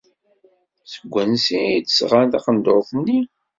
Seg wansi ay d-sɣan taqendurt-nni?